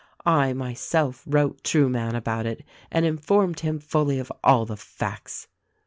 I myself wrote Trueman about it and informed him fully of all the facts."